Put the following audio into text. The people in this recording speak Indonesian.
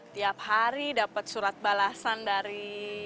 tiap hari dapat surat balasan dari